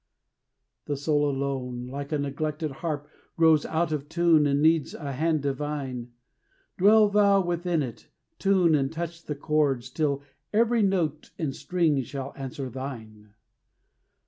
The soul alone, like a neglected harp, Grows out of tune, and needs a hand divine; Dwell thou within it, tune, and touch the chords, Till every note and string shall answer thine.